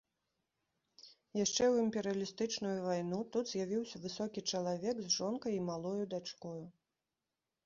Яшчэ ў імперыялістычную вайну тут з'явіўся высокі чалавек з жонкай і малою дачкою.